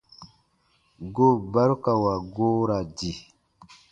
Goon barukawa goo ra di.